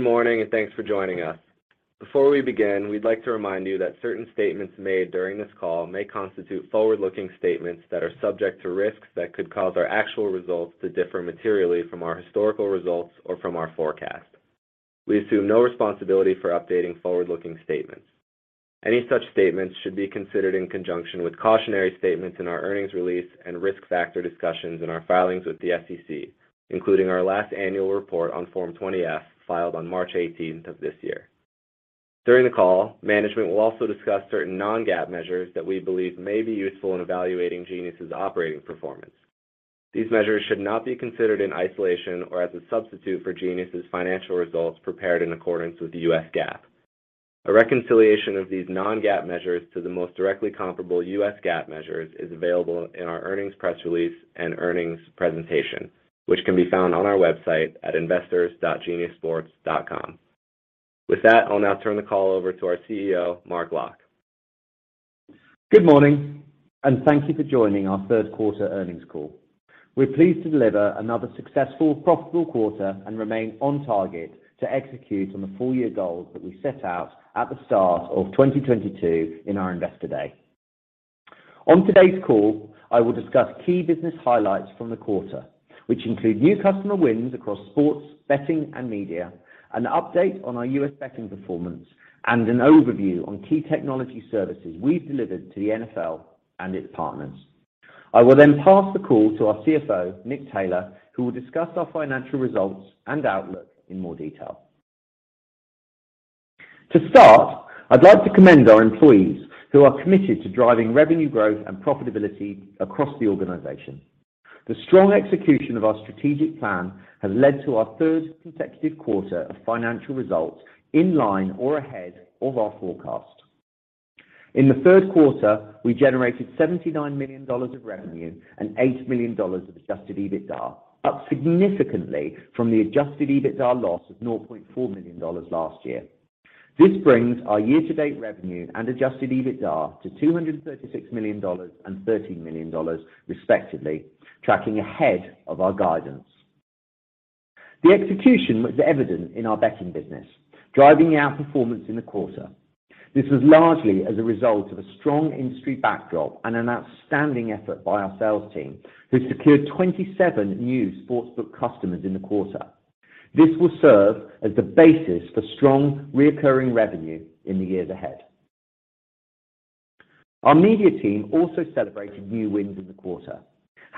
Good morning, and thanks for joining us. Before we begin, we'd like to remind you that certain statements made during this call may constitute forward-looking statements that are subject to risks that could cause our actual results to differ materially from our historical results or from our forecast. We assume no responsibility for updating forward-looking statements. Any such statements should be considered in conjunction with cautionary statements in our earnings release and risk factor discussions in our filings with the SEC, including our last annual report on Form 20-F filed on March 18 of this year. During the call, management will also discuss certain non-GAAP measures that we believe may be useful in evaluating Genius's operating performance. These measures should not be considered in isolation or as a substitute for Genius's financial results prepared in accordance with U.S. GAAP. A reconciliation of these non-GAAP measures to the most directly comparable U.S. GAAP measures is available in our earnings press release and earnings presentation, which can be found on our website at investors.geniussports.com. With that, I'll now turn the call over to our CEO, Mark Locke. Good morning, and thank you for joining our third quarter earnings call. We're pleased to deliver another successful, profitable quarter and remain on target to execute on the full-year goals that we set out at the start of 2022 in our Investor Day. On today's call, I will discuss key business highlights from the quarter, which include new customer wins across sports, betting, and media, an update on our U.S. betting performance, and an overview on key technology services we delivered to the NFL and its partners. I will then pass the call to our CFO, Nick Taylor, who will discuss our financial results and outlook in more detail. To start, I'd like to commend our employees who are committed to driving revenue growth and profitability across the organization. The strong execution of our strategic plan has led to our third consecutive quarter of financial results in line or ahead of our forecast. In the third quarter, we generated $79 million of revenue and $8 million of adjusted EBITDA, up significantly from the adjusted EBITDA loss of $0.4 million last year. This brings our year-to-date revenue and adjusted EBITDA to $236 million and $13 million, respectively, tracking ahead of our guidance. The execution was evident in our betting business, driving our performance in the quarter. This was largely as a result of a strong industry backdrop and an outstanding effort by our sales team, who secured 27 new sportsbook customers in the quarter. This will serve as the basis for strong recurring revenue in the years ahead. Our media team also celebrated new wins in the quarter,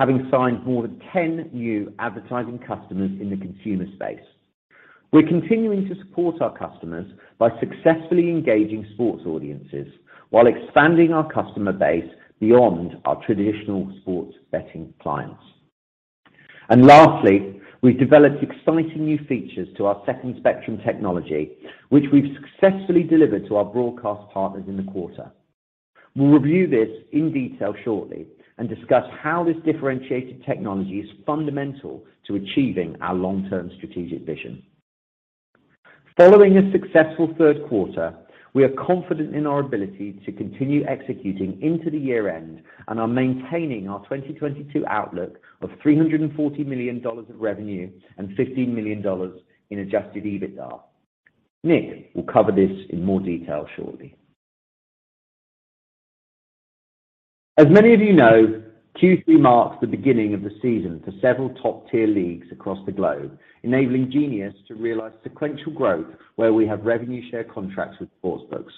having signed more than 10 new advertising customers in the consumer space. We're continuing to support our customers by successfully engaging sports audiences while expanding our customer base beyond our traditional sports betting clients. Lastly, we developed exciting new features to our Second Spectrum technology, which we've successfully delivered to our broadcast partners in the quarter. We'll review this in detail shortly and discuss how this differentiated technology is fundamental to achieving our long-term strategic vision. Following a successful third quarter, we are confident in our ability to continue executing into the year-end and are maintaining our 2022 outlook of $340 million of revenue and $15 million in adjusted EBITDA. Nick will cover this in more detail shortly. As many of you know, Q3 marks the beginning of the season for several top-tier leagues across the globe, enabling Genius to realize sequential growth where we have revenue share contracts with sportsbooks.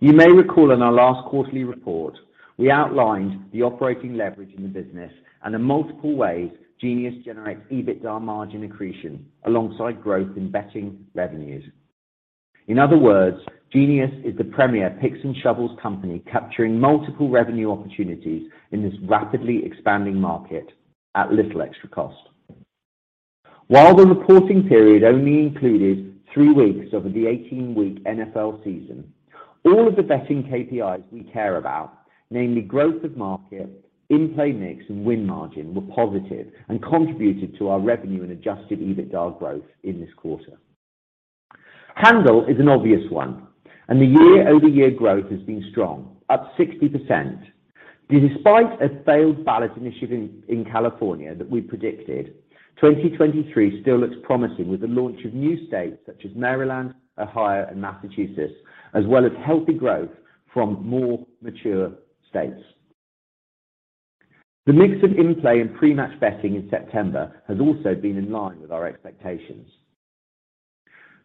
You may recall in our last quarterly report, we outlined the operating leverage in the business and the multiple ways Genius generates EBITDA margin accretion alongside growth in betting revenues. In other words, Genius is the premier picks and shovels company capturing multiple revenue opportunities in this rapidly expanding market at little extra cost. While the reporting period only included three weeks of the 18-week NFL season, all of the betting KPIs we care about, namely growth of market, in-play mix, and win margin, were positive and contributed to our revenue and adjusted EBITDA growth in this quarter. Handle is an obvious one, and the year-over-year growth has been strong, up 60%. Despite a failed ballot initiative in California that we predicted, 2023 still looks promising with the launch of new states such as Maryland, Ohio, and Massachusetts, as well as healthy growth from more mature states. The mix of in-play and pre-match betting in September has also been in line with our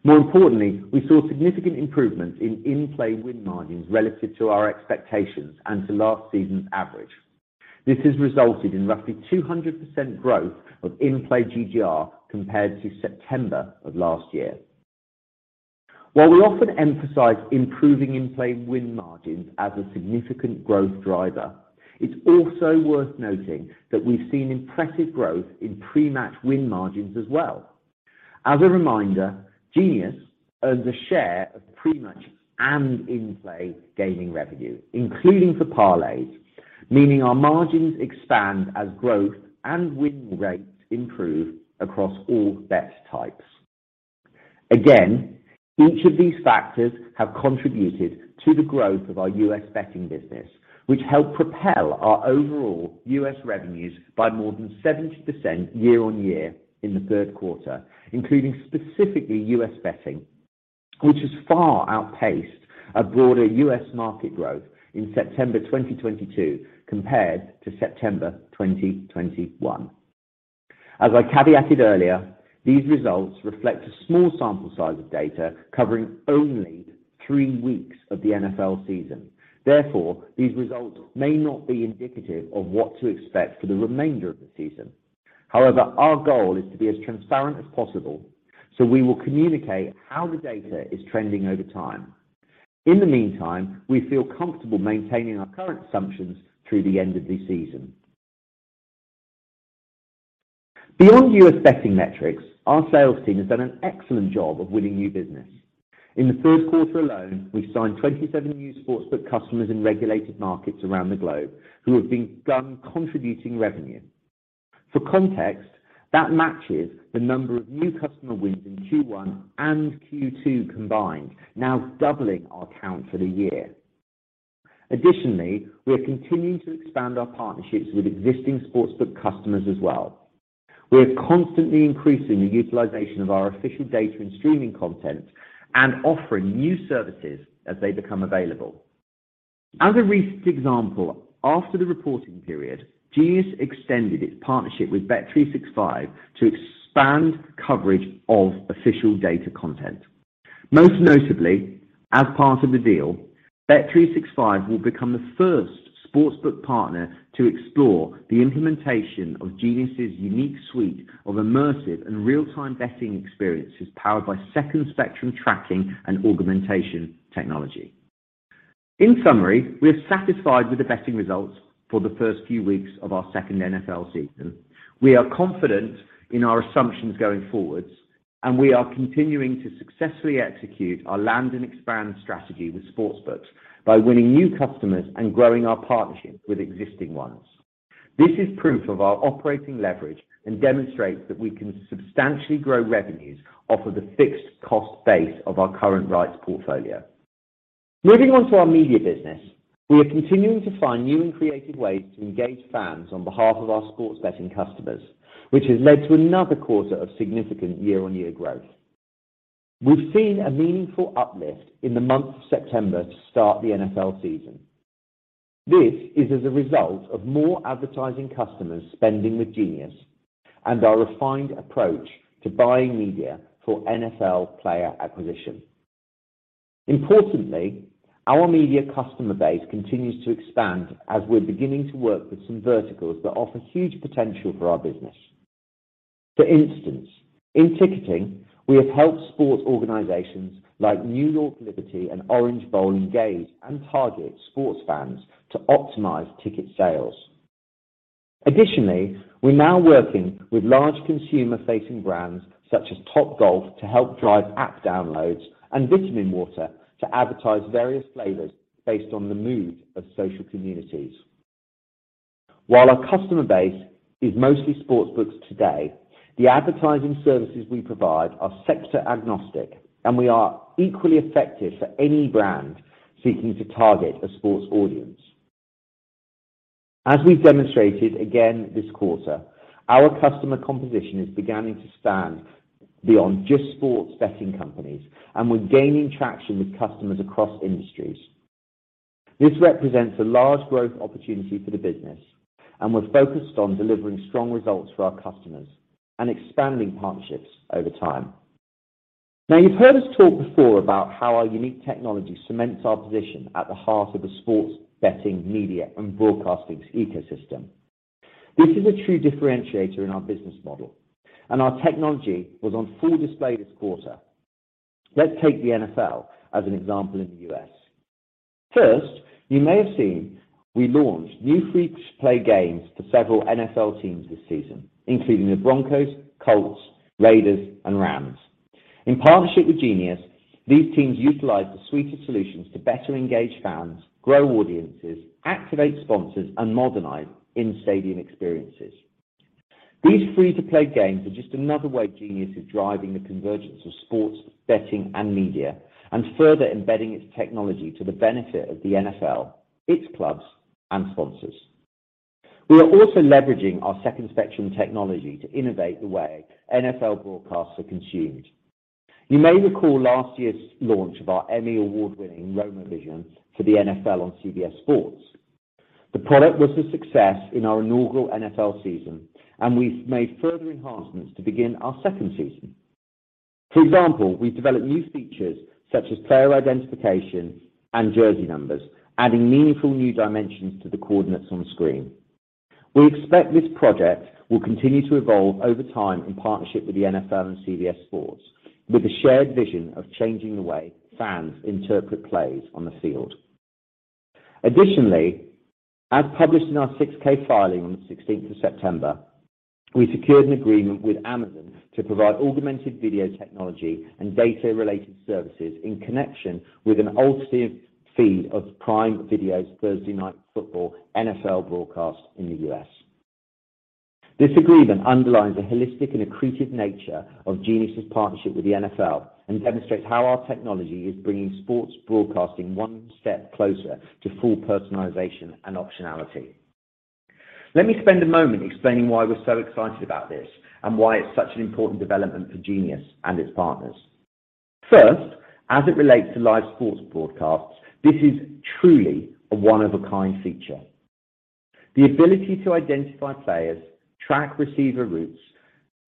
expectations. More importantly, we saw significant improvements in in-play win margins relative to our expectations and to last season's average. This has resulted in roughly 200% growth of in-play GGR compared to September of last year. While we often emphasize improving in-play win margins as a significant growth driver, it's also worth noting that we've seen impressive growth in pre-match win margins as well. As a reminder, Genius earns a share of pre-match and in-play gaming revenue, including for parlays, meaning our margins expand as growth and win rates improve across all bet types. Again, each of these factors have contributed to the growth of our U.S. betting business, which helped propel our overall U.S. revenues by more than 70% year-on-year in the third quarter, including specifically U.S. betting, which has far outpaced a broader U.S. market growth in September 2022 compared to September 2021. As I caveated earlier, these results reflect a small sample size of data covering only three weeks of the NFL season. Therefore, these results may not be indicative of what to expect for the remainder of the season. However, our goal is to be as transparent as possible, so we will communicate how the data is trending over time. In the meantime, we feel comfortable maintaining our current assumptions through the end of the season. Beyond U.S. betting metrics, our sales team has done an excellent job of winning new business. In the third quarter alone, we signed 27 new sportsbook customers in regulated markets around the globe who have begun contributing revenue. For context, that matches the number of new customer wins in Q1 and Q2 combined, now doubling our count for the year. Additionally, we are continuing to expand our partnerships with existing sportsbook customers as well. We are constantly increasing the utilization of our official data and streaming content and offering new services as they become available. As a recent example, after the reporting period, Genius extended its partnership with Bet365 to expand coverage of official data content. Most notably, as part of the deal, Bet365 will become the first sportsbook partner to explore the implementation of Genius's unique suite of immersive and real-time betting experiences powered by Second Spectrum tracking and augmentation technology. In summary, we are satisfied with the betting results for the first few weeks of our second NFL season. We are confident in our assumptions going forward, and we are continuing to successfully execute our land and expand strategy with sportsbooks by winning new customers and growing our partnerships with existing ones. This is proof of our operating leverage and demonstrates that we can substantially grow revenues off of the fixed cost base of our current rights portfolio. Moving on to our media business, we are continuing to find new and creative ways to engage fans on behalf of our sports betting customers, which has led to another quarter of significant year-over-year growth. We've seen a meaningful uplift in the month of September to start the NFL season. This is as a result of more advertising customers spending with Genius and our refined approach to buying media for NFL player acquisition. Importantly, our media customer base continues to expand as we're beginning to work with some verticals that offer huge potential for our business. For instance, in ticketing, we have helped sports organizations like New York Liberty and Orange Bowl engage and target sports fans to optimize ticket sales. Additionally, we're now working with large consumer-facing brands such as Topgolf to help drive app downloads and Vitaminwater to advertise various flavors based on the mood of social communities. While our customer base is mostly sportsbooks today, the advertising services we provide are sector agnostic, and we are equally effective for any brand seeking to target a sports audience. As we've demonstrated again this quarter, our customer composition is beginning to stand beyond just sports betting companies, and we're gaining traction with customers across industries. This represents a large growth opportunity for the business, and we're focused on delivering strong results for our customers and expanding partnerships over time. Now, you've heard us talk before about how our unique technology cements our position at the heart of the sports betting media and broadcasting ecosystem. This is a true differentiator in our business model, and our technology was on full display this quarter. Let's take the NFL as an example in the U.S. First, you may have seen we launched new free-to-play games for several NFL teams this season, including the Broncos, Colts, Raiders, and Rams. In partnership with Genius, these teams utilize the suite of solutions to better engage fans, grow audiences, activate sponsors, and modernize in-stadium experiences. These free-to-play games are just another way Genius is driving the convergence of sports, betting, and media, and further embedding its technology to the benefit of the NFL, its clubs, and sponsors. We are also leveraging our Second Spectrum technology to innovate the way NFL broadcasts are consumed. You may recall last year's launch of our Emmy Award-winning Roma Vision for the NFL on CBS Sports. The product was a success in our inaugural NFL season, and we've made further enhancements to begin our second season. For example, we've developed new features such as player identification and jersey numbers, adding meaningful new dimensions to the coordinates on screen. We expect this project will continue to evolve over time in partnership with the NFL and CBS Sports, with a shared vision of changing the way fans interpret plays on the field. Additionally, as published in our 6-K filing on the sixteenth of September, we secured an agreement with Amazon to provide augmented video technology and data-related services in connection with an alternative feed of Prime Video's Thursday Night Football NFL broadcast in the U.S. This agreement underlines the holistic and accretive nature of Genius' partnership with the NFL and demonstrates how our technology is bringing sports broadcasting one step closer to full personalization and optionality. Let me spend a moment explaining why we're so excited about this and why it's such an important development for Genius and its partners. First, as it relates to live sports broadcasts, this is truly a one-of-a-kind feature. The ability to identify players, track receiver routes,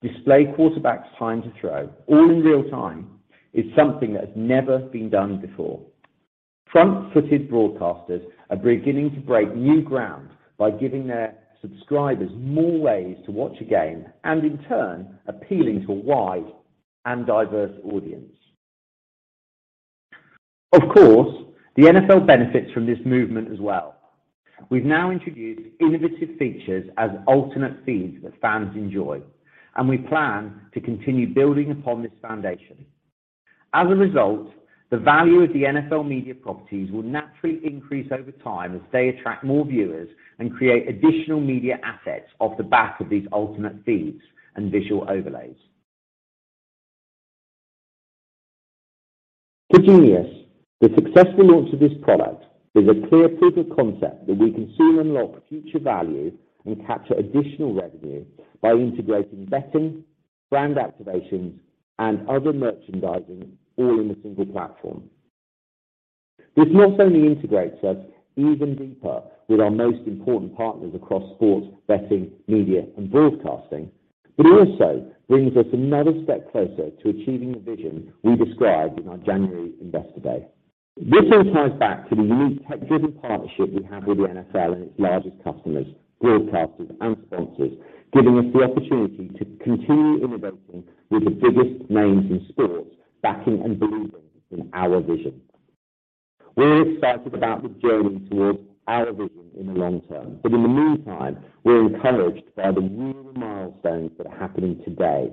display quarterbacks time to throw all in real-time is something that has never been done before. Front-footed broadcasters are beginning to break new ground by giving their subscribers more ways to watch a game, and in turn, appealing to a wide and diverse audience. Of course, the NFL benefits from this movement as well. We've now introduced innovative features as alternate feeds that fans enjoy, and we plan to continue building upon this foundation. As a result, the value of the NFL media properties will naturally increase over time as they attract more viewers and create additional media assets off the back of these alternate feeds and visual overlays. For Genius, the successful launch of this product is a clear proof of concept that we can soon unlock future value and capture additional revenue by integrating betting, brand activations, and other merchandising all in a single platform. This not only integrates us even deeper with our most important partners across sports betting, media, and broadcasting, but also brings us another step closer to achieving the vision we described in our January investor day. This all ties back to the unique tech-driven partnership we have with the NFL and its largest customers, broadcasters, and sponsors, giving us the opportunity to continue innovating with the biggest names in sports backing and believing in our vision. We're excited about the journey towards our vision in the long term, but in the meantime, we're encouraged by the newer milestones that are happening today.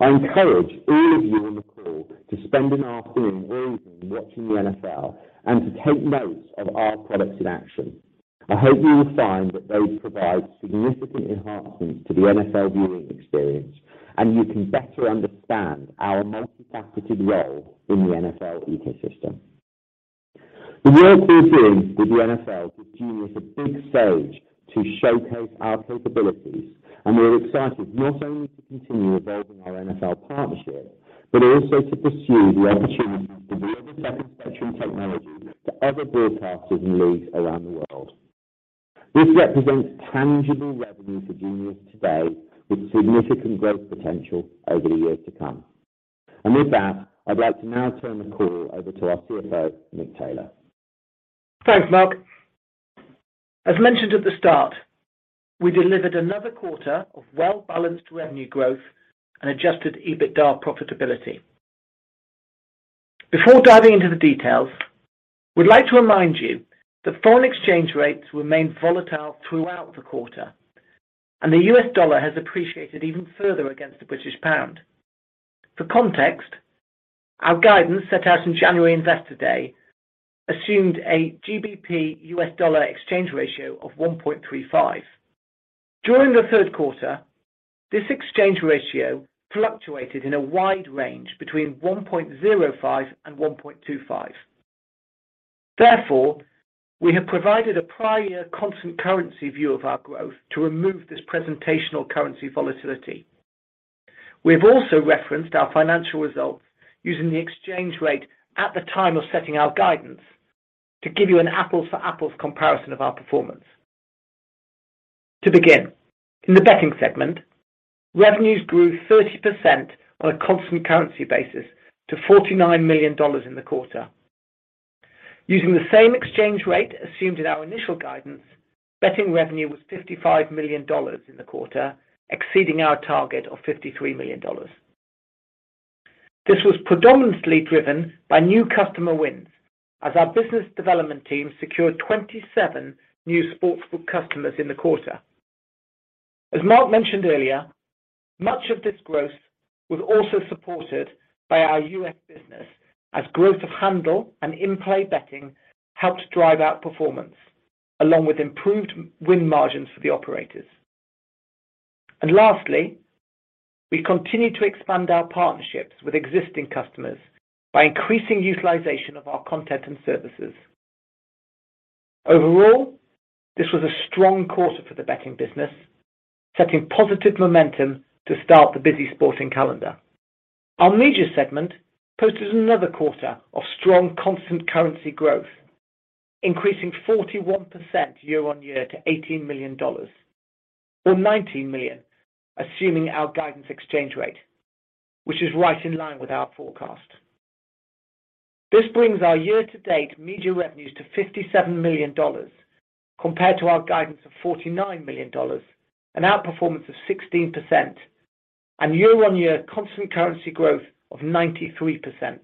I encourage all of you on the call to spend an afternoon or evening watching the NFL and to take notes of our products in action. I hope you will find that they provide significant enhancements to the NFL viewing experience, and you can better understand our multifaceted role in the NFL ecosystem. The work we're doing with the NFL gives Genius a big stage to showcase our capabilities, and we're excited not only to continue evolving our NFL partnership, but also to pursue the opportunities to deliver Second Spectrum technology to other broadcasters and leagues around the world. This represents tangible revenue for Genius today with significant growth potential over the years to come. With that, I'd like to now turn the call over to our CFO, Nick Taylor. Thanks, Mark. As mentioned at the start, we delivered another quarter of well-balanced revenue growth and adjusted EBITDA profitability. Before diving into the details, we'd like to remind you that foreign exchange rates remained volatile throughout the quarter, and the US dollar has appreciated even further against the British pound. For context, our guidance set out in January investor day assumed a GBP US dollar exchange ratio of 1.35. During the third quarter, this exchange ratio fluctuated in a wide range between 1.05 and 1.25. Therefore, we have provided a prior constant currency view of our growth to remove this presentational currency volatility. We have also referenced our financial results using the exchange rate at the time of setting our guidance to give you an apples for apples comparison of our performance. To begin, in the betting segment, revenues grew 30% on a constant currency basis to $49 million in the quarter. Using the same exchange rate assumed in our initial guidance, betting revenue was $55 million in the quarter, exceeding our target of $53 million. This was predominantly driven by new customer wins as our business development team secured 27 new sportsbook customers in the quarter. As Mark mentioned earlier, much of this growth was also supported by our U.S. business as growth of handle and in-play betting helped drive our performance along with improved win margins for the operators. Lastly, we continued to expand our partnerships with existing customers by increasing utilization of our content and services. Overall, this was a strong quarter for the betting business, setting positive momentum to start the busy sporting calendar. Our media segment posted another quarter of strong constant currency growth, increasing 41% year-on-year to $18 million, or $19 million assuming our guidance exchange rate, which is right in line with our forecast. This brings our year to date media revenues to $57 million compared to our guidance of $49 million, an outperformance of 16% and year-on-year constant currency growth of 93%.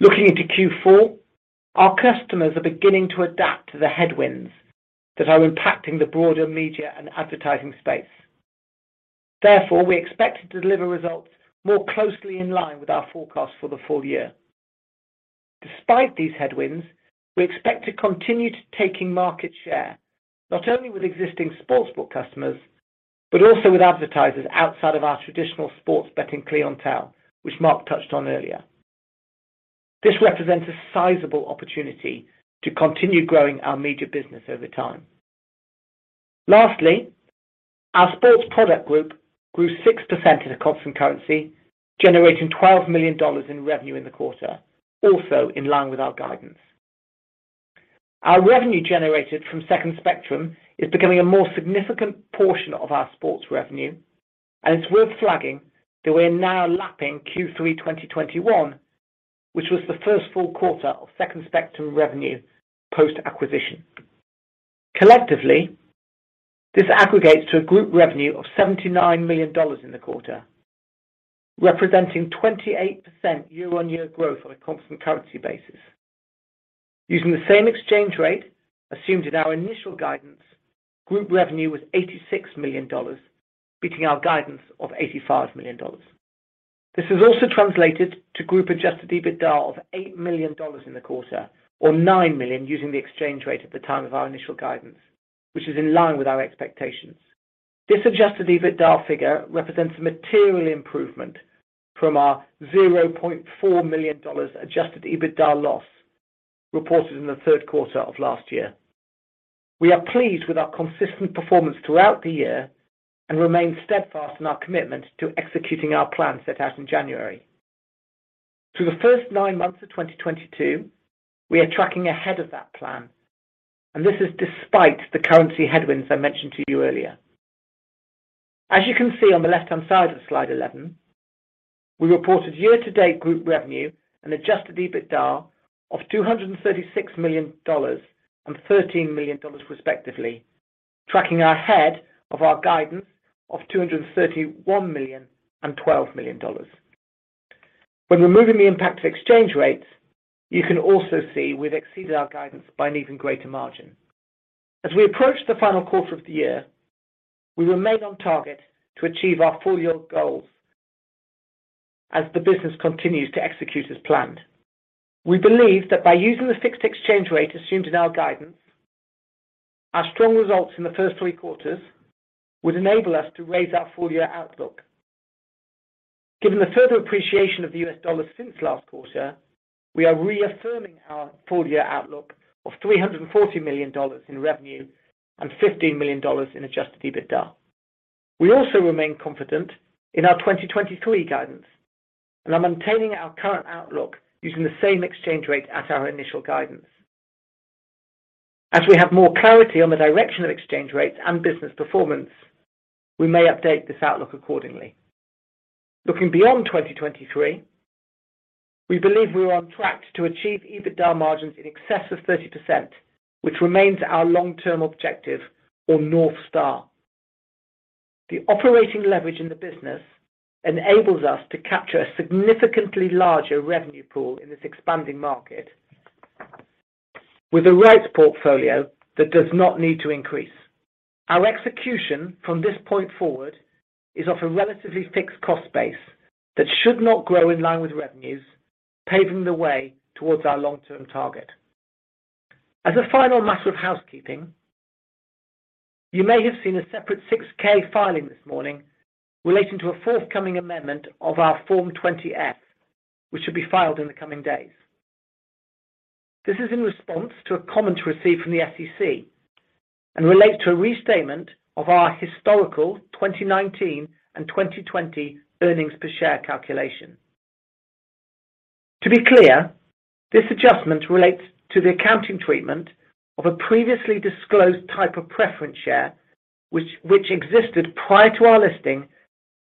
Looking into Q4, our customers are beginning to adapt to the headwinds that are impacting the broader media and advertising space. Therefore, we expect to deliver results more closely in line with our forecast for the full year. Despite these headwinds, we expect to continue taking market share, not only with existing sports book customers but also with advertisers outside of our traditional sports betting clientele, which Mark touched on earlier. This represents a sizable opportunity to continue growing our media business over time. Lastly, our sports product group grew 6% in a constant currency, generating $12 million in revenue in the quarter, also in line with our guidance. Our revenue generated from Second Spectrum is becoming a more significant portion of our sports revenue, and it's worth flagging that we're now lapping Q3 2021, which was the first full quarter of Second Spectrum revenue post-acquisition. Collectively, this aggregates to a group revenue of $79 million in the quarter, representing 28% year-on-year growth on a constant currency basis. Using the same exchange rate assumed in our initial guidance, group revenue was $86 million, beating our guidance of $85 million. This has also translated to group adjusted EBITDA of $8 million in the quarter, or $9 million using the exchange rate at the time of our initial guidance, which is in line with our expectations. This adjusted EBITDA figure represents a material improvement from our $0.4 million adjusted EBITDA loss reported in the third quarter of last year. We are pleased with our consistent performance throughout the year and remain steadfast in our commitment to executing our plan set out in January. Through the first nine months of 2022, we are tracking ahead of that plan, and this is despite the currency headwinds I mentioned to you earlier. As you can see on the left-hand side of slide 11, we reported year-to-date group revenue and adjusted EBITDA of $236 million and $13 million respectively, tracking ahead of our guidance of $231 million and $12 million. When removing the impact of exchange rates, you can also see we've exceeded our guidance by an even greater margin. As we approach the final quarter of the year, we remain on target to achieve our full-year goals as the business continues to execute as planned. We believe that by using the fixed exchange rate assumed in our guidance, our strong results in the first three quarters would enable us to raise our full-year outlook. Given the further appreciation of the US dollar since last quarter, we are reaffirming our full-year outlook of $340 million in revenue and $15 million in adjusted EBITDA. We also remain confident in our 2023 guidance, and I'm maintaining our current outlook using the same exchange rate as our initial guidance. As we have more clarity on the direction of exchange rates and business performance, we may update this outlook accordingly. Looking beyond 2023, we believe we are on track to achieve EBITDA margins in excess of 30%, which remains our long-term objective or North Star. The operating leverage in the business enables us to capture a significantly larger revenue pool in this expanding market with the right portfolio that does not need to increase. Our execution from this point forward is of a relatively fixed cost base that should not grow in line with revenues, paving the way towards our long-term target. As a final matter of housekeeping, you may have seen a separate Form 6-K filing this morning relating to a forthcoming amendment of our Form 20-F, which will be filed in the coming days. This is in response to a comment received from the SEC and relates to a restatement of our historical 2019 and 2020 earnings per share calculation. To be clear, this adjustment relates to the accounting treatment of a previously disclosed type of preference share which existed prior to our listing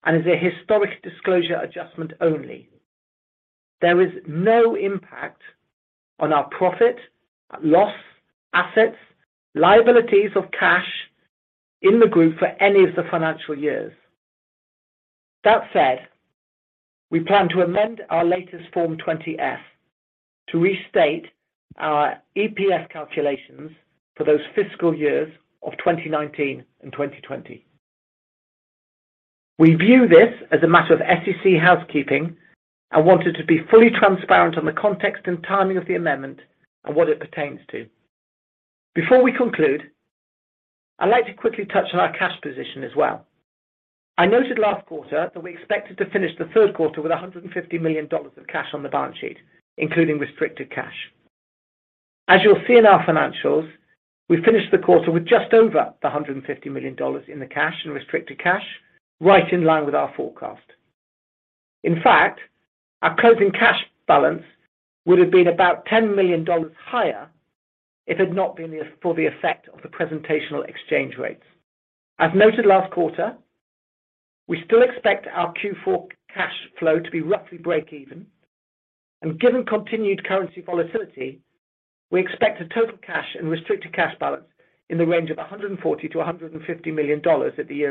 and is a historic disclosure adjustment only. There is no impact on our P&L, assets, liabilities or cash in the group for any of the financial years. That said, we plan to amend our latest Form 20-F to restate our EPS calculations for those fiscal years of 2019 and 2020. We view this as a matter of SEC housekeeping and wanted to be fully transparent on the context and timing of the amendment and what it pertains to. Before we conclude, I'd like to quickly touch on our cash position as well. I noted last quarter that we expected to finish the third quarter with $150 million of cash on the balance sheet, including restricted cash. As you'll see in our financials, we finished the quarter with just over $150 million in the cash and restricted cash, right in line with our forecast. In fact, our closing cash balance would have been about $10 million higher if it had not been for the effect of the presentation exchange rates. As noted last quarter, we still expect our Q4 cash flow to be roughly break even, and given continued currency volatility, we expect a total cash and restricted cash balance in the range of $140 million-$150 million at the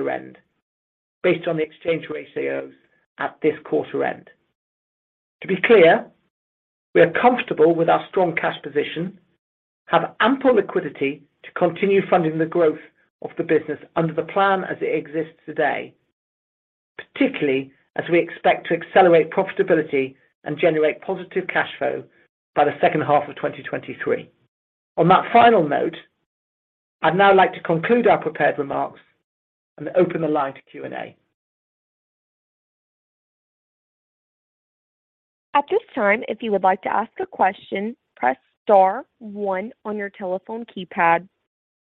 year-end, based on the exchange rate closing at this quarter-end. To be clear, we are comfortable with our strong cash position, have ample liquidity to continue funding the growth of the business under the plan as it exists today. Particularly as we expect to accelerate profitability and generate positive cash flow by the second half of 2023. On that final note, I'd now like to conclude our prepared remarks and open the line to Q&A. At this time, if you would like to ask a question, press star one on your telephone keypad.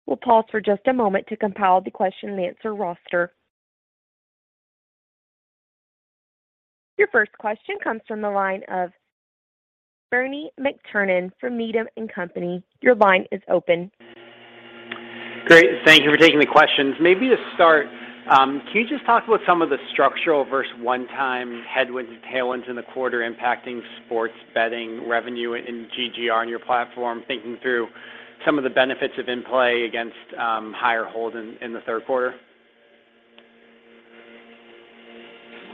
We'll pause for just a moment to compile the question and answer roster. Your first question comes from the line of Bernie McTernan from Needham & Company. Your line is open. Great. Thank you for taking the questions. Maybe to start, can you just talk about some of the structural versus one-time headwinds and tailwinds in the quarter impacting sports betting revenue and GGR in your platform, thinking through some of the benefits of in-play against higher hold in the third quarter?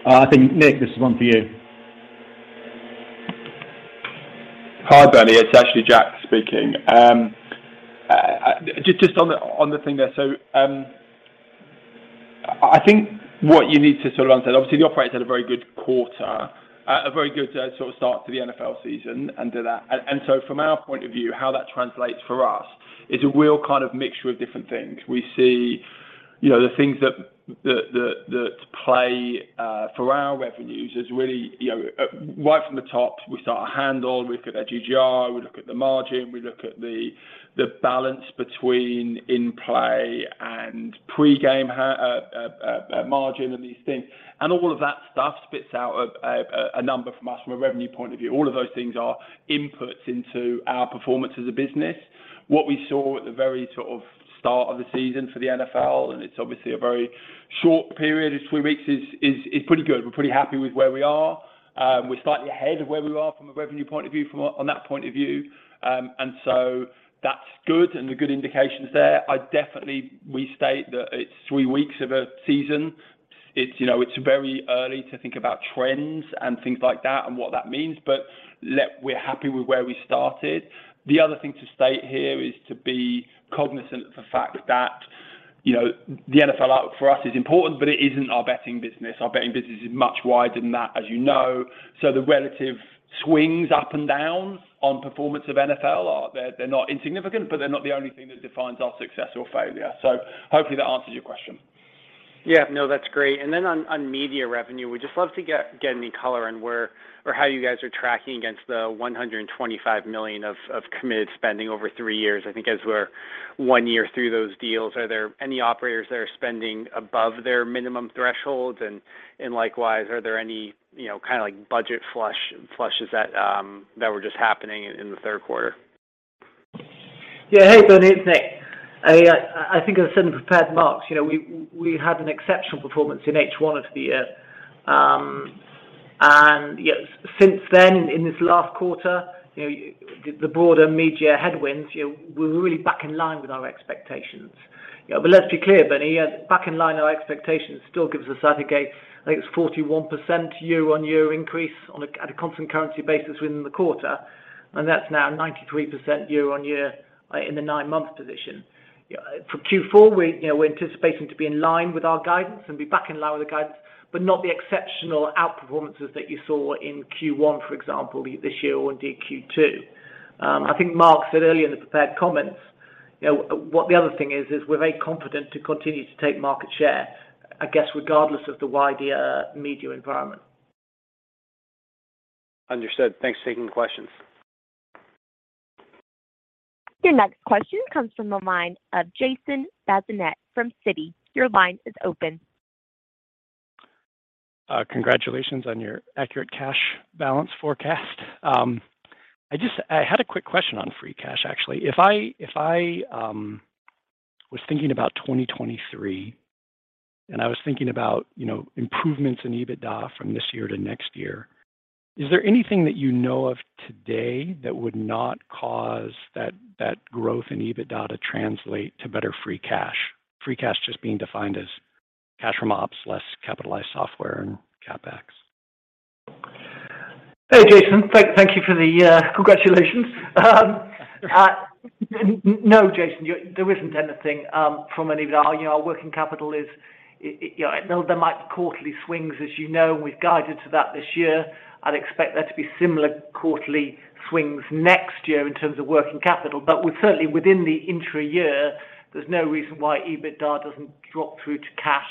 I think, Nick, this is one for you. Hi, Bernie. It's actually Jack speaking. Just on the thing there. I think what you need to sort of understand, obviously the operators had a very good quarter, a very good sort of start to the NFL season and to that. From our point of view, how that translates for us is a real kind of mixture of different things. We see, you know, the things that play for our revenues is really, you know, right from the top, we start at handle, we look at GGR, we look at the margin, we look at the balance between in-play and pre-game margin and these things. All of that stuff spits out a number from us from a revenue point of view. All of those things are inputs into our performance as a business. What we saw at the very sort of start of the season for the NFL, and it's obviously a very short period, it's three weeks, is pretty good. We're pretty happy with where we are. We're slightly ahead of where we are from a revenue point of view on that point of view. That's good and the good indications there. I definitely restate that it's three weeks of a season. It's, you know, it's very early to think about trends and things like that and what that means. We're happy with where we started. The other thing to state here is to be cognizant of the fact that, you know, the NFL, for us is important, but it isn't our betting business. Our betting business is much wider than that, as you know. The relative swings up and downs on performance of NFL are, they're not insignificant, but they're not the only thing that defines our success or failure. Hopefully that answers your question. Yeah. No, that's great. On media revenue, we'd just love to get any color on where or how you guys are tracking against the $125 million of committed spending over three years. I think as we're one year through those deals, are there any operators that are spending above their minimum thresholds? Likewise, are there any, you know, kind of like budget flushes that were just happening in the third quarter? Yeah. Hey, Bernie, it's Nick. I think I said in the prepared remarks, you know, we had an exceptional performance in H1 of the year. Yet since then, in this last quarter, you know, the broader media headwinds, you know, we're really back in line with our expectations. You know, let's be clear, Bernie, back in line with our expectations still gives us, I think, I think it's 41% year-on-year increase on a constant currency basis within the quarter, and that's now 93% year-on-year in the nine-month position. For Q4, you know, we're anticipating to be in line with our guidance and be back in line with the guidance but not the exceptional out performances that you saw in Q1, for example, this year or indeed Q2. I think Mark said earlier in the prepared comments, you know, what the other thing is, we're very confident to continue to take market share, I guess, regardless of the wider media environment. Understood. Thanks for taking the question. Your next question comes from the line of Jason Bazinet from Citi. JasYour line is open. Congratulations on your accurate cash balance forecast. I had a quick question on free cash, actually. If I was thinking about 2023 and I was thinking about, you know, improvements in EBITDA from this year to next year, is there anything that you know of today that would not cause that growth in EBITDA to translate to better free cash? Free cash just being defined as cash from ops, less capitalized software and CapEx. Hey, Jason. Thank you for the congratulations. No, Jason, there isn't anything from inventory. You know, our working capital is. You know, there might be quarterly swings, as you know, and we've guided to that this year. I'd expect there to be similar quarterly swings next year in terms of working capital. We're certainly within the intra year, there's no reason why EBITDA doesn't drop through to cash.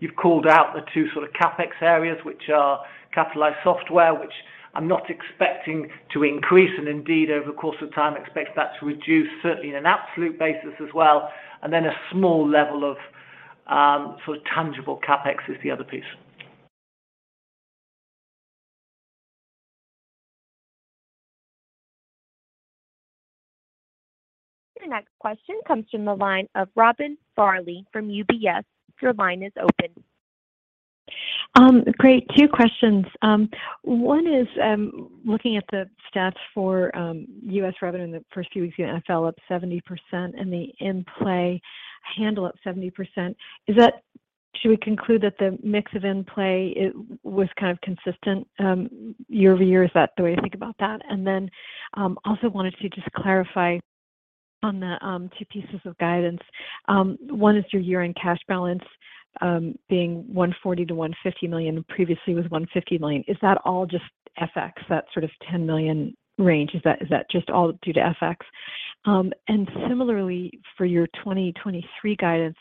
You've called out the two sort of CapEx areas, which are capitalized software, which I'm not expecting to increase, and indeed, over the course of time, expect that to reduce certainly in an absolute basis as well. A small level of sort of tangible CapEx is the other piece. Your next question comes from the line of Robin Farley from UBS. Your line is open. Great. Two questions. One is, looking at the stats for U.S. revenue in the first few weeks, the NFL up 70% and the in-play handle up 70%. Should we conclude that the mix of in-play was kind of consistent year-over-year? Is that the way to think about that? And then, also wanted to just clarify on the two pieces of guidance. One is your year-end cash balance being $140 million-$150 million, previously was $150 million. Is that all just FX, that sort of $10 million range? Is that just all due to FX? Similarly for your 2023 guidance,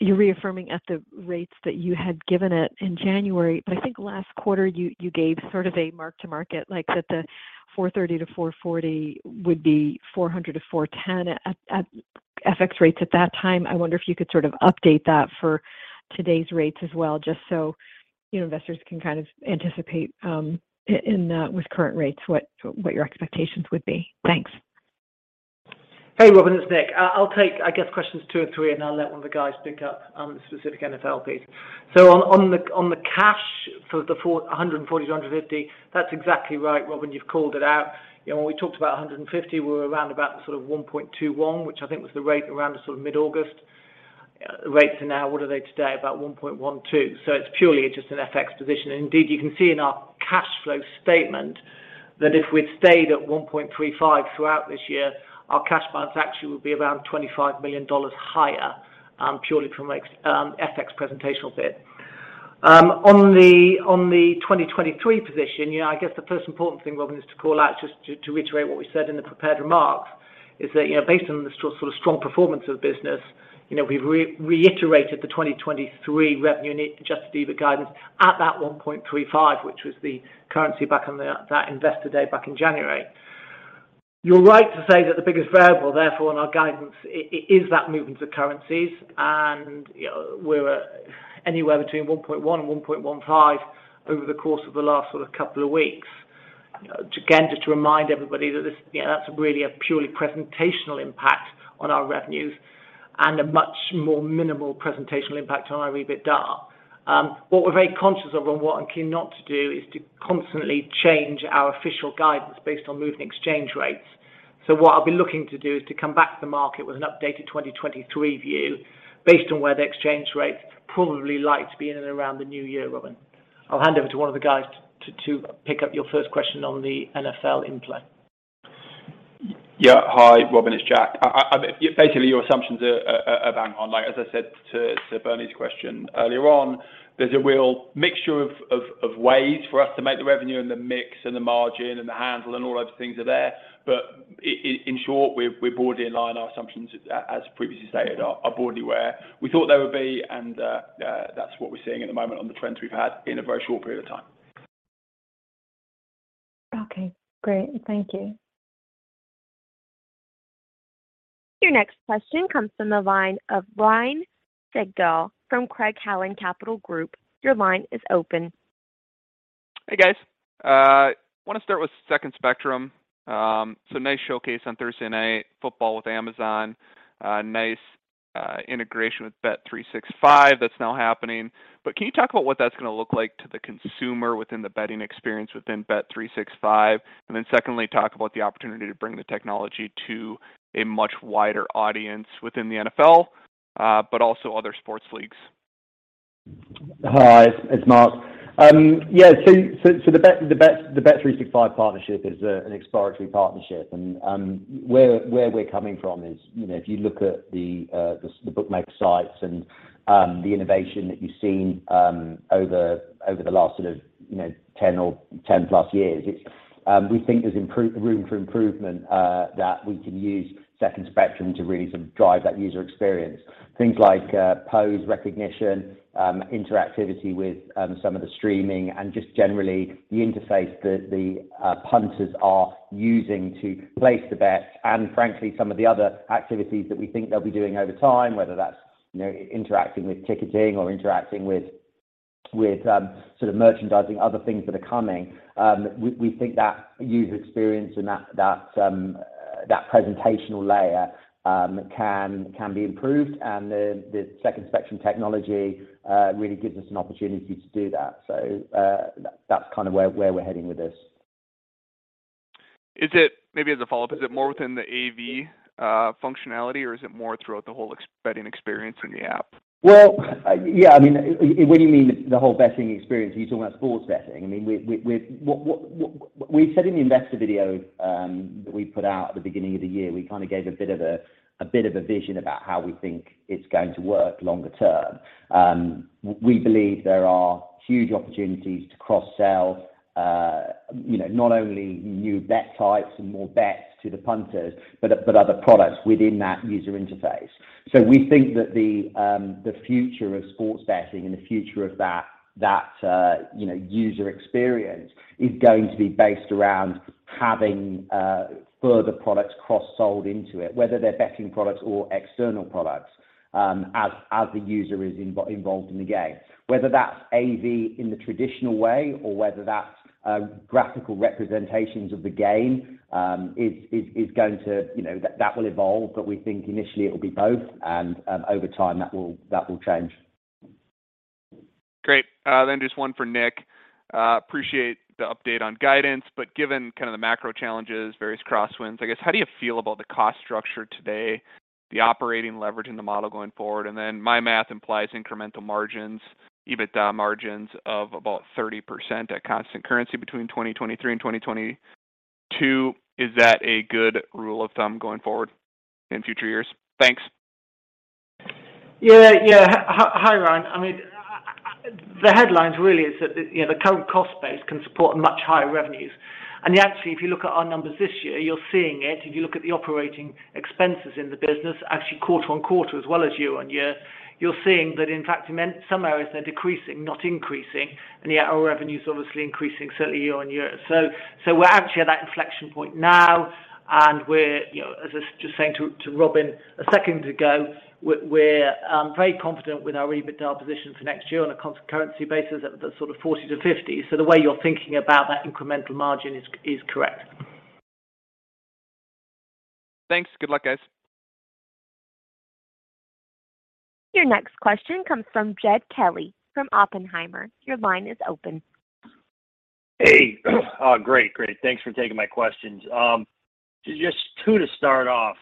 you're reaffirming at the rates that you had given it in January, but I think last quarter you gave sort of a mark to market, like that the $430-$440 would be $400-$410 at FX rates at that time. I wonder if you could sort of update that for today's rates as well, just so, you know, investors can kind of anticipate in with current rates what your expectations would be. Thanks. Hey, Robyn, it's Nick. I'll take, I guess, questions two and three, and I'll let one of the guys pick up the specific NFL piece. On the cash for the $140-$150, that's exactly right, Robyn. You've called it out. You know, when we talked about 150, we were around about sort of 1.21, which I think was the rate around the sort of mid-August rates. Now what are they today? About 1.12. It's purely just an FX position. Indeed, you can see in our cash flow statement that if we'd stayed at 1.35 throughout this year, our cash balance actually would be around $25 million higher, purely from an FX presentational bit. On the 2023 position, you know, I guess the first important thing, Robin, is to call out just to reiterate what we said in the prepared remarks, is that, you know, based on the sort of strong performance of the business, you know, we've reiterated the 2023 revenue and adjusted EBITDA guidance at that 1.35, which was the guidance back on that Investor Day back in January. You're right to say that the biggest variable, therefore, in our guidance is that movement of currencies and, you know, we're anywhere between 1.1-1.15 over the course of the last sort of couple of weeks. You know, again, just to remind everybody that this, you know, that's really a purely presentational impact on our revenues and a much more minimal presentational impact on our EBITDA. What we're very conscious of and what I'm keen not to do is to constantly change our official guidance based on moving exchange rates. What I'll be looking to do is to come back to the market with an updated 2023 view based on where the exchange rates probably like to be in and around the new year, Robin. I'll hand over to one of the guys to pick up your first question on the NFL in-play. Yeah. Hi, Robyn, it's Jack. Basically your assumptions are bang on. Like as I said to Bernie's question earlier on, there's a real mixture of ways for us to make the revenue and the mix and the margin and the handle and all those things are there. In short, we're broadly in line. Our assumptions as previously stated are broadly where we thought they would be and that's what we're seeing at the moment on the trends we've had in a very short period of time. Okay, great. Thank you. Your next question comes from the line ofRyan Sigdahl from Craig-Hallum Capital Group. Your line is open. Hey, guys. Wanna start with Second Spectrum. It's a nice showcase on Thursday Night Football with Amazon. Nice integration with Bet365 that's now happening. But can you talk about what that's gonna look like to the consumer within the betting experience within Bet365? Then secondly, talk about the opportunity to bring the technology to a much wider audience within the NFL, but also other sports leagues. Hi, it's Mark. The Bet365 partnership is an exploratory partnership and where we're coming from is, you know, if you look at the bookmaker sites and the innovation that you've seen over the last sort of, you know, 10 or 10-plus years, it's we think there's room for improvement that we can use Second Spectrum to really sort of drive that user experience. Things like pose recognition, interactivity with some of the streaming and just generally the interface that the punters are using to place the bets and frankly some of the other activities that we think they'll be doing over time, whether that's, you know, interacting with ticketing or interacting with sort of merchandising other things that are coming. We think that user experience and that presentational layer can be improved and the Second Spectrum technology really gives us an opportunity to do that. That's kind of where we're heading with this. Maybe as a follow-up, is it more within the AV functionality or is it more throughout the whole betting experience in the app? Well, yeah, I mean, when you mean the whole betting experience, are you talking about sports betting? I mean, we said in the investor video that we put out at the beginning of the year, we kind of gave a bit of a vision about how we think it's going to work longer term. We believe there are huge opportunities to cross-sell, you know, not only new bet types and more bets to the punters, but other products within that user interface. We think that the future of sports betting and the future of that user experience is going to be based around having further products cross-sold into it, whether they're betting products or external products, as the user is involved in the game. Whether that's AV in the traditional way or whether that's graphical representations of the game is going to, you know, that will evolve, but we think initially it will be both and over time that will change. Great. Just one for Nick. Appreciate the update on guidance, but given kind of the macro challenges, various crosswinds, I guess, how do you feel about the cost structure today, the operating leverage in the model going forward? My math implies incremental margins, EBITDA margins of about 30% at constant currency between 2023 and 2022. Is that a good rule of thumb going forward in future years? Thanks. Hi, Ryan. I mean, the headlines really is that, you know, the current cost base can support much higher revenues. Actually, if you look at our numbers this year, you're seeing it. If you look at the operating expenses in the business, actually quarter-over-quarter as well as year-over-year, you're seeing that, in fact, in many areas they're decreasing, not increasing, and yet our revenue is obviously increasing certainly year-over-year. We're actually at that inflection point now, and we're, you know, as I was just saying to Robin a second ago, we're very confident with our EBITDA position for next year on a constant currency basis at the sort of $40-$50. The way you're thinking about that incremental margin is correct. Thanks. Good luck, guys. Your next question comes from Jed Kelly from Oppenheimer. Your line is open. Hey. Great, great. Thanks for taking my questions. Just two to start off.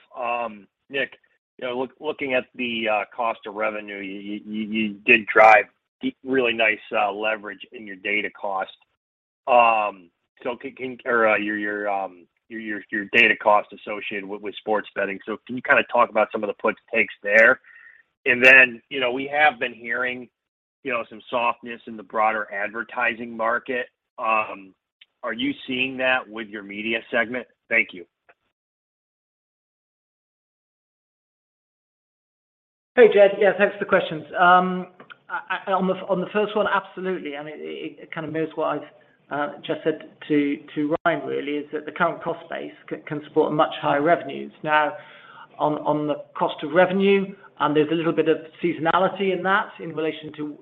Nick, you know, looking at the cost of revenue, you did drive really nice leverage in your data cost. Your data cost associated with sports betting. Can you kind of talk about some of the puts and takes there? Then, you know, we have been hearing, you know, some softness in the broader advertising market. Are you seeing that with your media segment? Thank you. Hey, Jed. Yes, thanks for the questions. On the first one, absolutely. I mean, it kind of mirrors what I've just said to Ryan really, is that the current cost base can support much higher revenues. Now on the cost of revenue, there's a little bit of seasonality in that in relation to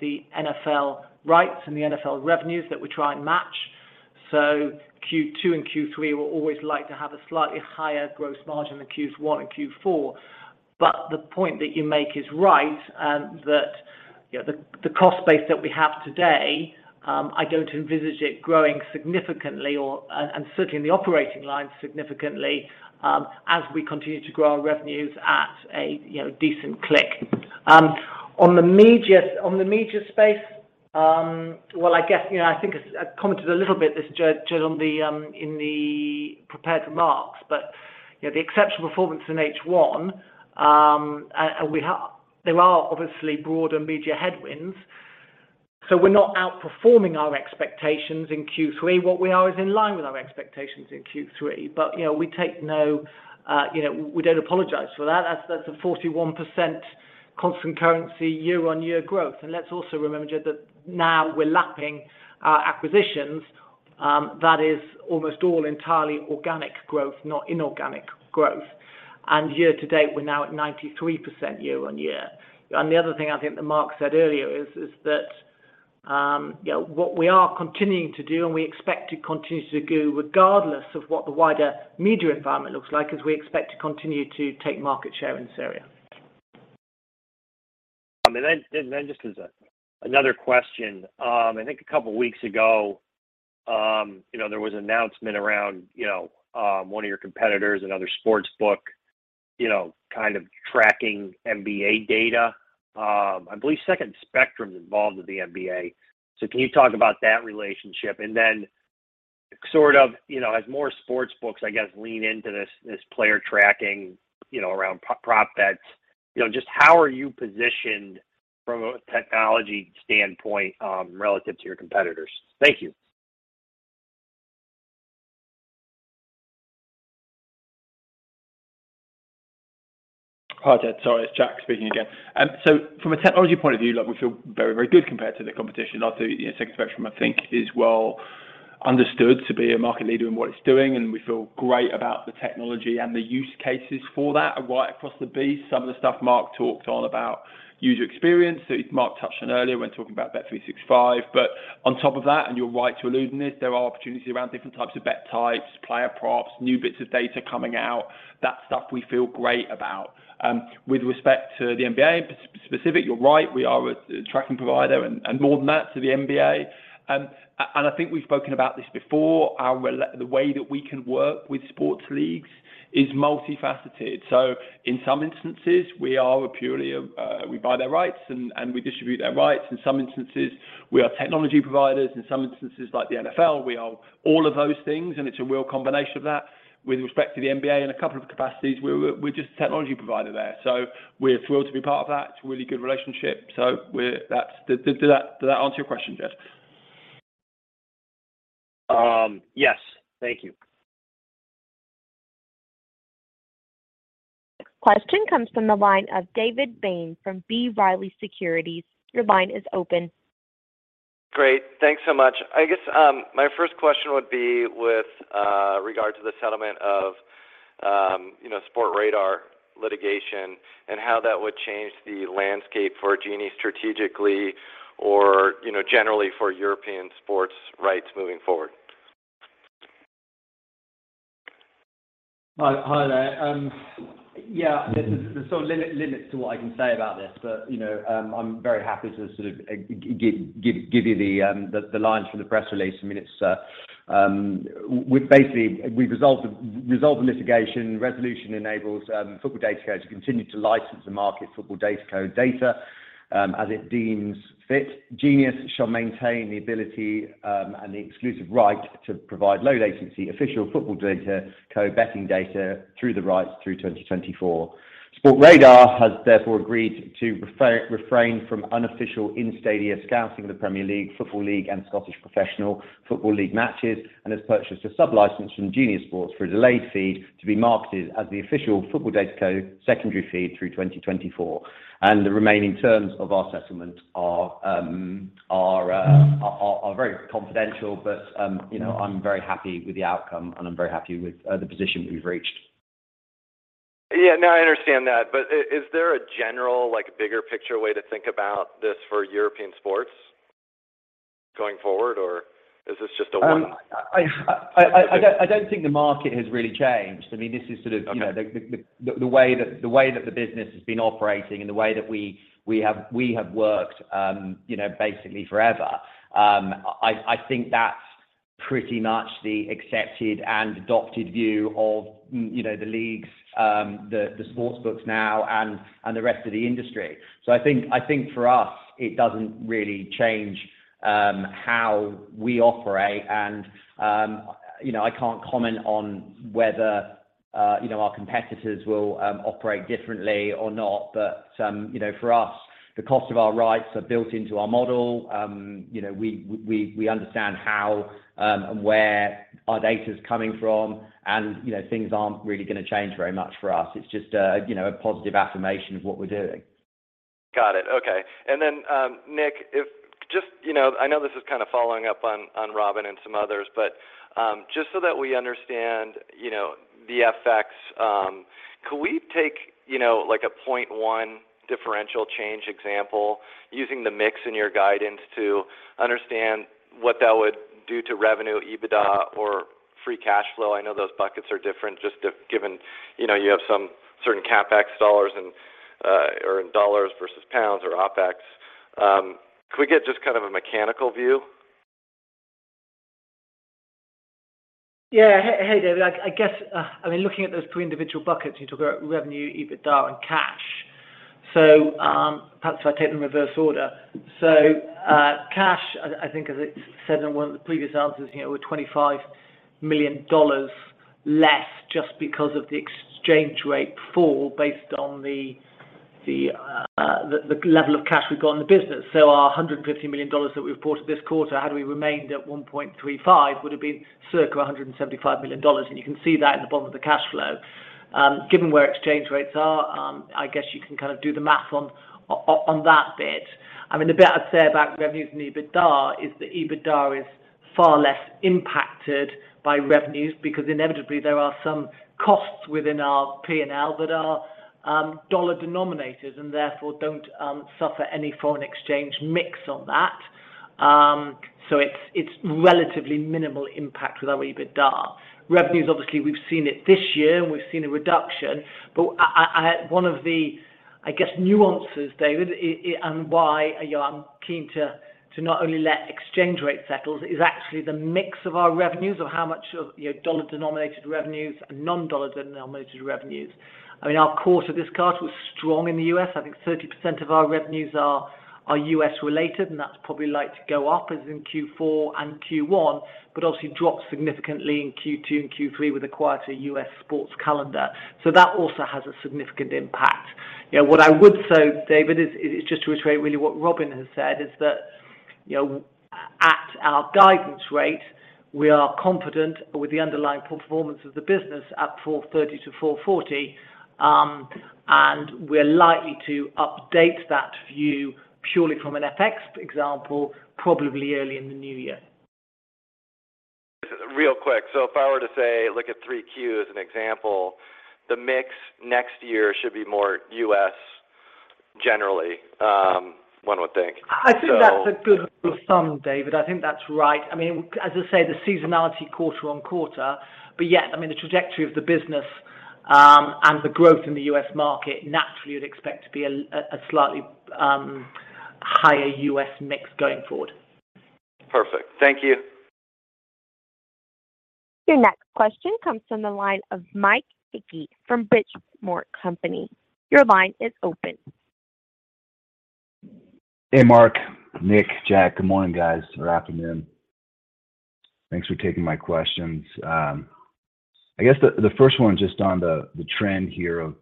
the NFL rights and the NFL revenues that we try and match. Q2 and Q3 will always like to have a slightly higher gross margin than Q1 and Q4. The point that you make is right, that you know, the cost base that we have today, I don't envisage it growing significantly and certainly in the operating line significantly, as we continue to grow our revenues at a you know, decent clip. On the media space, well, I guess, you know, I think I commented a little bit this, Jed, in the prepared remarks, but, you know, the exceptional performance in H1, and there are obviously broader media headwinds, so we're not outperforming our expectations in Q3. What we are is in line with our expectations in Q3. You know, we take no, you know, we don't apologize for that. That's a 41% constant currency year-on-year growth. Let's also remember, Jed, that now we're lapping our acquisitions, that is almost entirely organic growth, not inorganic growth. Year to date, we're now at 93% year-on-year. The other thing I think that Mark said earlier is that, you know, what we are continuing to do and we expect to continue to do regardless of what the wider media environment looks like, is we expect to continue to take market share in this area. Just another question. I think a couple weeks ago, you know, there was an announcement around, you know, one of your competitors, another sportsbook, you know, kind of tracking NBA data. I believe Second Spectrum is involved with the NBA. Can you talk about that relationship? Sort of, you know, as more sportsbooks, I guess, lean into this player tracking, you know, around prop bets, you know, just how are you positioned from a technology standpoint, relative to your competitors? Thank you. Hi, Jed. Sorry, it's Jack speaking again. So from a technology point of view, look, we feel very, very good compared to the competition. Obviously, you know, Second Spectrum, I think is well understood to be a market leader in what it's doing, and we feel great about the technology and the use cases for that right across the base. Some of the stuff Mark talked on about user experience that Mark touched on earlier when talking about Bet365. But on top of that, and you're right to allude on this, there are opportunities around different types of bet types, player props, new bits of data coming out. That's stuff we feel great about. With respect to the NBA specific, you're right, we are a tracking provider and more than that to the NBA. I think we've spoken about this before, the way that we can work with sports leagues is multifaceted. In some instances, we are purely we buy their rights and we distribute their rights. In some instances, we are technology providers. In some instances, like the NFL, we are all of those things, and it's a real combination of that. With respect to the NBA in a couple of capacities, we're just a technology provider there. We're thrilled to be part of that. It's a really good relationship. Does that answer your question, Jed? Yes. Thank you. Question comes from the line of David Bain from B. Riley Securities. Your line is open. Great. Thanks so much. I guess my first question would be with regard to the settlement of, you know, Sportradar litigation and how that would change the landscape for Genius strategically or, you know, generally for European sports rights moving forward? Hi, there. Yeah, there's sort of limits to what I can say about this. You know, I'm very happy to sort of give you the lines from the press release. I mean, it's. We've basically resolved the litigation. Resolution enables Football DataCo to continue to license the market-leading Football DataCo data. As it deems fit, Genius shall maintain the ability and the exclusive right to provide low latency official football data, odds betting data through the rights through 2024. Sportradar has therefore agreed to refrain from unofficial in-stadium scouting of the Premier League, English Football League and Scottish Professional Football League matches, and has purchased a sub-license from Genius Sports for a delayed feed to be marketed as the official Football DataCo secondary feed through 2024. The remaining terms of our settlement are very confidential but, you know, I'm very happy with the outcome and I'm very happy with the position we've reached. Yeah. No, I understand that. Is there a general, like, bigger picture way to think about this for European sports going forward, or is this just a one-off? I don't think the market has really changed. I mean, this is sort of. Okay you know, the way that the business has been operating and the way that we have worked, you know, basically forever. I think that's pretty much the accepted and adopted view of most, you know, the leagues, the sportsbooks now and the rest of the industry. I think for us, it doesn't really change how we operate. I can't comment on whether, you know, our competitors will operate differently or not. For us, the cost of our rights are built into our model. You know, we understand how and where our data is coming from and, you know, things aren't really gonna change very much for us. It's just a, you know, a positive affirmation of what we're doing. Got it. Okay. Nick, if just, you know, I know this is kind of following up on Robin and some others, but, just so that we understand, you know, the effects, could we take, you know, like a 0.1 differential change example using the mix in your guidance to understand what that would do to revenue, EBITDA or free cash flow? I know those buckets are different given, you know, you have some certain CapEx dollars and, or in dollars versus pounds or OpEx. Could we get just kind of a mechanical view? Yeah. Hey, David. I guess, I mean, looking at those preliminary buckets, you talk about revenue, EBITDA and cash. Perhaps if I take them in reverse order. Cash, I think as I said in one of the previous answers, you know, we're $25 million less just because of the exchange rate fall based on the level of cash we've got in the business. Our $150 million that we reported this quarter, had we remained at 1.35, would have been circa $175 million. You can see that in the bottom of the cash flow. Given where exchange rates are, I guess you can kind of do the math on that bit. I mean, the bit I'd say about revenues and EBITDA is that EBITDA is far less impacted by revenues because inevitably there are some costs within our P&L that are dollar denominated and therefore don't suffer any foreign exchange mix on that. It's relatively minimal impact to our EBITDA. Revenues, obviously, we've seen it this year and we've seen a reduction. One of the, I guess, nuances, David and why, you know, I'm keen to not only let exchange rate settles is actually the mix of our revenues of how much of, you know, dollar denominated revenues and non-dollar denominated revenues. I mean, our quarter this quarter was strong in the U.S. I think 30% of our revenues are U.S. related and that's probably likely to go up as in Q4 and Q1, but obviously dropped significantly in Q2 and Q3 with the quieter U.S. sports calendar. That also has a significant impact. You know, what I would say, David, is just to reiterate really what Robyn has said, is that, you know, at our guidance rate, we are confident with the underlying performance of the business at $430-$440. We're likely to update that view purely from an FX impact, probably early in the new year. Just real quick. If I were to say, look at 3Q as an example, the mix next year should be more U.S. generally, one would think. I think that's a good sum, David. I think that's right. I mean, as I say, the seasonality quarter-over-quarter, but yet, I mean, the trajectory of the business and the growth in the U.S. market, naturally, you'd expect to be a slightly higher U.S. mix going forward. Perfect. Thank you. Your next question comes from the line of Mike Hickey from Benchmark Company. Your line is open. Hey, Mark, Nick, Jack. Good morning, guys, or afternoon. Thanks for taking my questions. I guess the first one just on the trend here of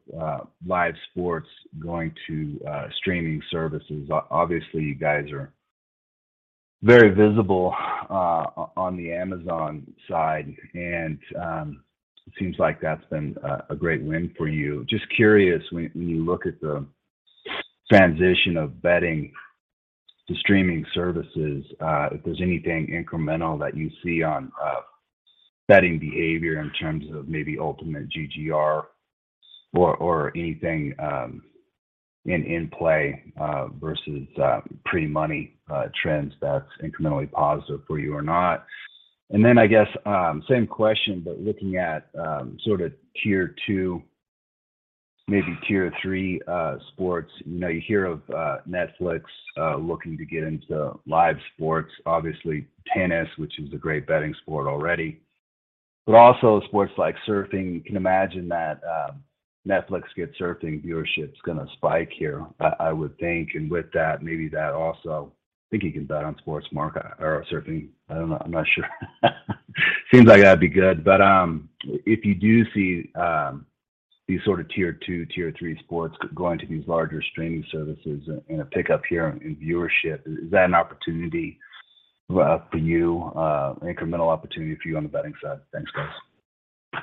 live sports going to streaming services. Obviously, you guys are very visible on the Amazon side and it seems like that's been a great win for you. Just curious, when you look at the transition of betting to streaming services, if there's anything incremental that you see on betting behavior in terms of maybe ultimate GGR or anything in-play versus pre-match trends that's incrementally positive for you or not. I guess same question, but looking at sort of tier two, maybe tier three sports. You know, you hear of Netflix looking to get into live sports, obviously tennis, which is a great betting sport already. Also sports like surfing, you can imagine that Netflix gets surfing, viewership's gonna spike here. I would think and with that, maybe that also think you can bet on sports market or surfing. I don't know. I'm not sure. Seems like that'd be good. If you do see these sort of tier two, tier three sports going to these larger streaming services and a pickup here in viewership, is that an opportunity for you, incremental opportunity for you on the betting side? Thanks, guys.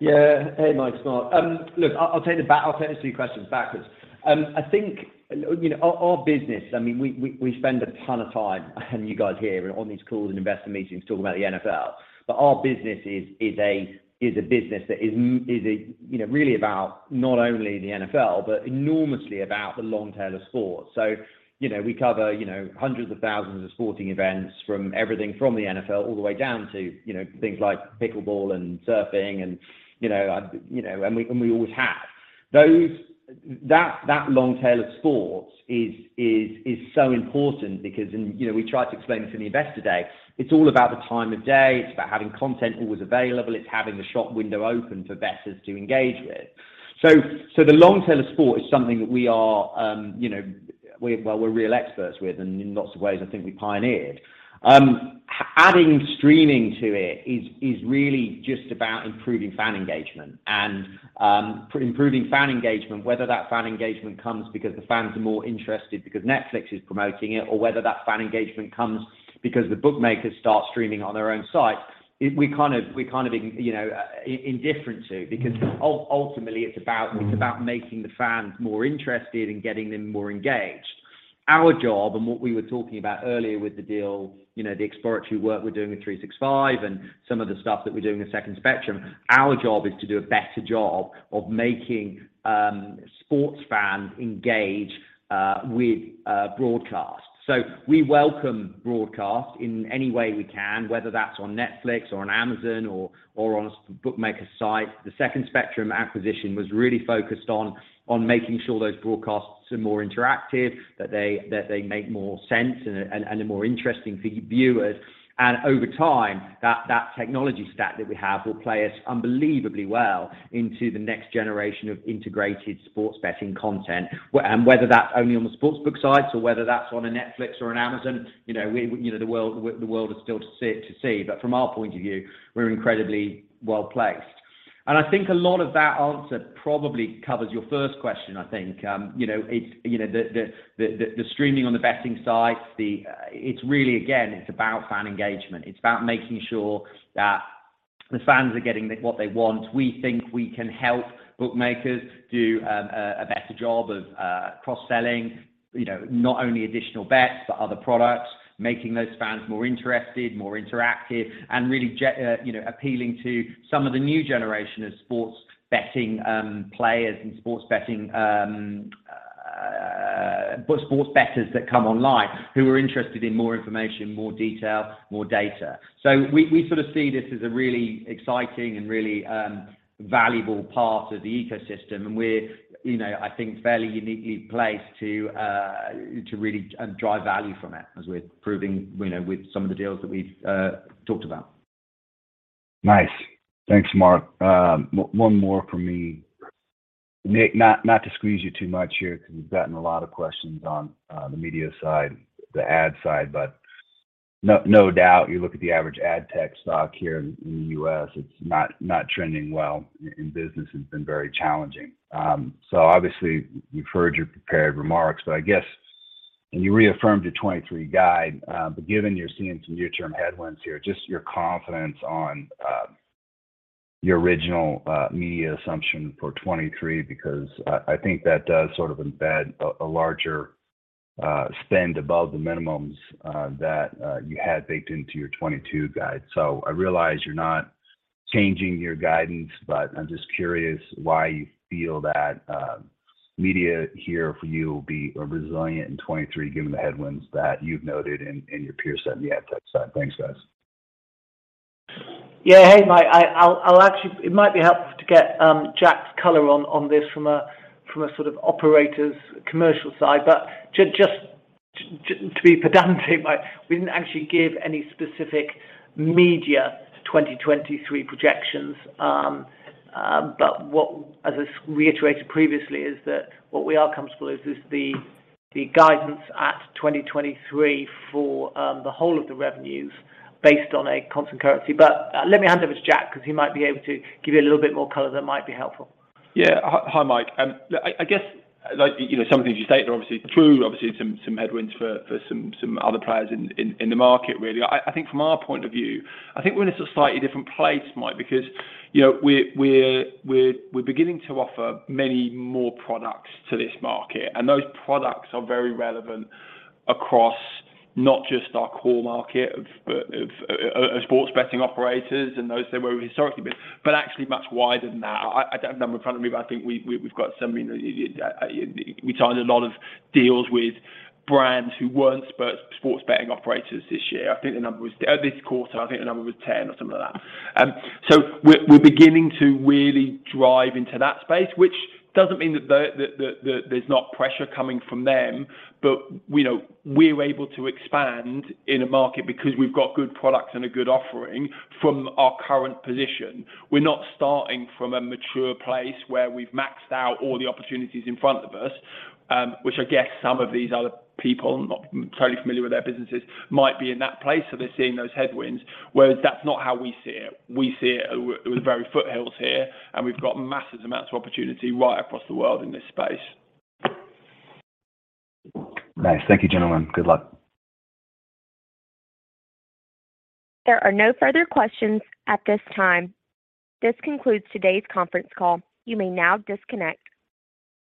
Hey, Mike, it's Mark. Look, I'll take the two questions backwards. I think, you know, our business, I mean, we spend a ton of time and you guys hear on these calls and investor meetings talking about the NFL, but our business is a business that is, you know, really about not only the NFL, but enormously about the long tail of sports. You know, we cover hundreds of thousands of sporting events from everything from the NFL all the way down to things like pickleball and surfing and we always have. That long tail of sports is so important because, you know, we tried to explain this in the investor day. It's all about the time of day. It's about having content always available. It's having the shop window open for bettors to engage with. The long tail of sport is something that we're real experts with and in lots of ways I think we pioneered. Adding streaming to it is really just about improving fan engagement and improving fan engagement, whether that fan engagement comes because the fans are more interested because Netflix is promoting it or whether that fan engagement comes because the bookmakers start streaming on their own site. We kind of indifferent to because ultimately it's about making the fans more interested and getting them more engaged. Our job and what we were talking about earlier with the deal, you know, the exploratory work we're doing with Bet365 and some of the stuff that we're doing with Second Spectrum, our job is to do a better job of making sports fans engage with broadcast. We welcome broadcast in any way we can, whether that's on Netflix or on Amazon or on a bookmaker site. The Second Spectrum acquisition was really focused on making sure those broadcasts are more interactive, that they make more sense and are more interesting for viewers. Over time, that technology stack that we have will play us unbelievably well into the next generation of integrated sports betting content. whether that's only on the sportsbook side, so whether that's on a Netflix or an Amazon, you know, we, you know, the world is still to see. From our point of view, we're incredibly well-placed. I think a lot of that answer probably covers your first question, I think. You know, it's, you know, the streaming on the betting side, it's really, again, it's about fan engagement. It's about making sure that the fans are getting what they want. We think we can help bookmakers do a better job of cross-selling, you know, not only additional bets but other products, making those fans more interested, more interactive, and really you know, appealing to some of the new generation of sports betting players and sports betting sports bettors that come online who are interested in more information, more detail, more data. We we sort of see this as a really exciting and really valuable part of the ecosystem. We're you know, I think fairly uniquely placed to to really drive value from it as we're proving you know, with some of the deals that we've talked about. Nice. Thanks, Mark. One more from me. Nick, not to squeeze you too much here because we've gotten a lot of questions on the media side, the ad side. No doubt, you look at the average ad tech stock here in the U.S., it's not trending well, and business has been very challenging. Obviously you've heard your prepared remarks, but I guess and you reaffirmed your 2023 guide, but given you're seeing some near-term headwinds here, just your confidence on your original media assumption for 2023, because I think that does sort of embed a larger spend above the minimums that you had baked into your 2022 guide. I realize you're not changing your guidance, but I'm just curious why you feel that, media here for you will be resilient in 2023 given the headwinds that you've noted in your peer set and the ad tech side. Thanks, guys. Yeah. Hey, Mike. I'll actually. It might be helpful to get Jack's color on this from a sort of operator's commercial side. Just to be pedantic, Mike, we didn't actually give any specific media 2023 projections. What I reiterated previously is that what we are comfortable is the guidance at 2023 for the whole of the revenues based on a constant currency. Let me hand over to Jack because he might be able to give you a little bit more color that might be helpful. Yeah. Hi, Mike. I guess, like, you know, some of the things you state are obviously true. Obviously some headwinds for some other players in the market, really. I think from our point of view, I think we're in a slightly different place, Mike, because, you know, we're beginning to offer many more products to this market, and those products are very relevant across not just our core market of sports betting operators and those that were historically, but actually much wider than that. I don't have a number in front of me, but I think we've got so many. We signed a lot of deals with brands who weren't sports betting operators this year. I think the number was this quarter, I think the number was 10 or something like that. We're beginning to really drive into that space, which doesn't mean that there's not pressure coming from them. You know, we're able to expand in a market because we've got good products and a good offering from our current position. We're not starting from a mature place where we've maxed out all the opportunities in front of us, which I guess some of these other people, I'm not totally familiar with their businesses, might be in that place, so they're seeing those headwinds, whereas that's not how we see it. We see it with the very foothills here and we've got massive amounts of opportunity right across the world in this space. Nice. Thank you, gentlemen. Good luck. There are no further questions at this time. This concludes today's conference call. You may now disconnect.